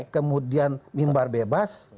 kemudian mimbar bebas